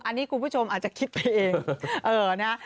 อันนี้คุณผู้ชมอาจจะคิดไปเองนะ